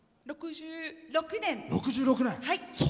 ６６年。